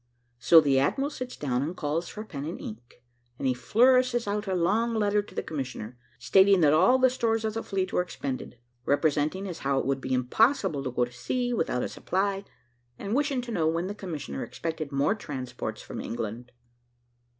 So the admiral sits down, and calls for pen and ink, and he flourishes out a long letter to the commissioner, stating that all the stores of the fleet were expended, representing as how it would be impossible to go to sea without a supply, and wishing to know when the commissioner expected more transports from England.